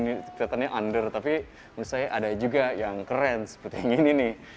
ini kelihatannya under tapi menurut saya ada juga yang keren seperti yang ini nih